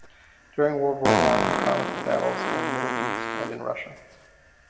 During World War One he chronicled battles in the Middle East and in Russia.